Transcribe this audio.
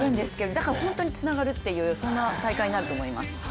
だから、本当につながるという大会になると思います。